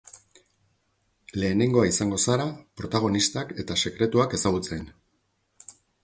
Lehenengoa izango zara protagonistak eta sekretuak ezagutzen.